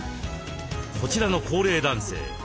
こちらの高齢男性